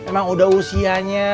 emang udah usianya